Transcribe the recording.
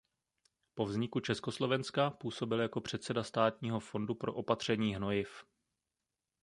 Po vzniku Československa působil jako předseda státního fondu pro opatření hnojiv.